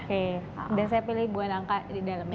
oke udah saya pilih buah langka di dalam ya